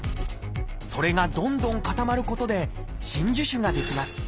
それがどんどん固まることで真珠腫が出来ます。